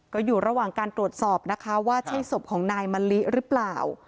ก็อยู่ระหว่างการตรวจสอบนะคะว่าใช่ศพของนายมะลิหรือเปล่า